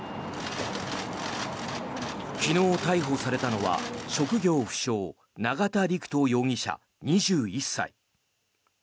昨日逮捕されたのは職業不詳永田陸人容疑者２１歳。